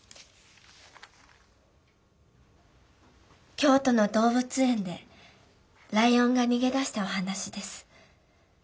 京都の動物園でライオンが逃げ出したお話です。